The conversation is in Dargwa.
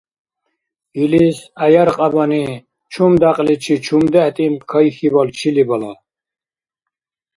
Илис гӀяяркьянабани чум дякьличи чумдехӀ тӀимкь кайхьибал чили бала?!